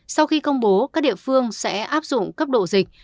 sau khi công bố các địa phương sẽ áp dụng cấp độ dịch